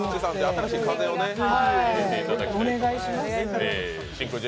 新しい風を入れていただきたい。